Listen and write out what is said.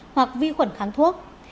hoặc vi khuẩn kháng thuốc